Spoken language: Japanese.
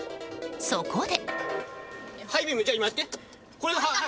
そこで。